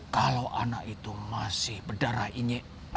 kalau anak itu masih berdarah ini